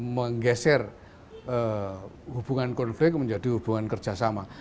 menggeser hubungan konflik menjadi hubungan kerjasama